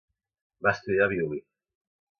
Va estudiar violí.